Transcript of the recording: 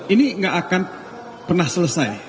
ini gak akan pernah selesai